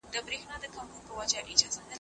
تعلیم د فرد د کلتوري پوهاوي لپاره مهم دی.